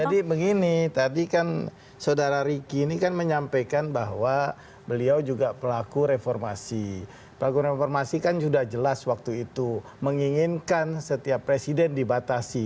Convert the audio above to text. jadi begini tadi kan saudara riki ini kan menyampaikan bahwa beliau juga pelaku reformasi pelaku reformasi kan sudah jelas waktu itu menginginkan setiap presiden dibatasi